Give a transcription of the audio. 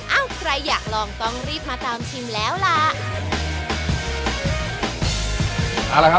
ใครอยากลองต้องรีบมาตามชิมแล้วล่ะ